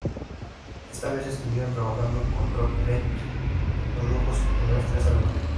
Esta vez, estuvieron trabajando con Rob Graves, que produjo sus primeros tres álbumes.